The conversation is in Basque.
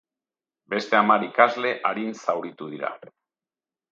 Beste hamar ikasle arin zauritu dira.